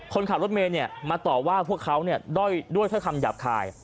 คนขับรถเมฆเนี่ยมาต่อว่าพวกเขาเนี่ยด้อยด้วยคำหยาบทาย